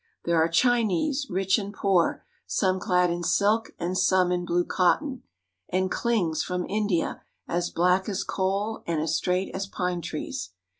There are Chinese, rich and poor, some clad in silk and some in blue cotton, and Klings from India as black as coal and as straight as pine trees.